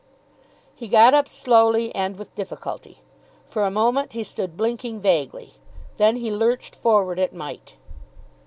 He got up slowly and with difficulty. For a moment he stood blinking vaguely. Then he lurched forward at Mike.